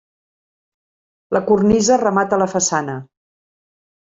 La cornisa remata la façana.